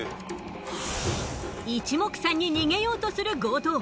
一目散に逃げようとする強盗。